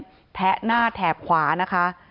แทะหน้าแถบขวานะคะ